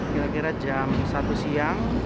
kira kira jam satu siang